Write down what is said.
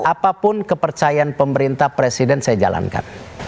apapun kepercayaan pemerintah presiden saya jalankan